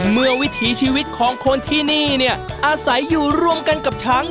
วิถีชีวิตของคนที่นี่เนี่ยอาศัยอยู่ร่วมกันกับช้าง